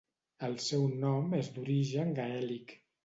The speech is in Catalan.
El seu nom és d'origen gaèlic.